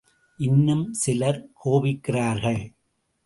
இன்னும் சிலர் கோபிக்கிறார்கள்.